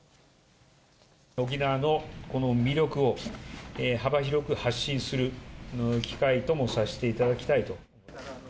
沖縄のこの魅力を、幅広く発信する機会ともさせていただきたいと。